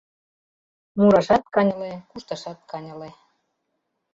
Мурашат каньыле, кушташат каньыле.